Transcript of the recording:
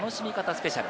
スペシャル。